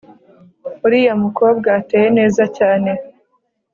uriya mukobwa ateye neza cyane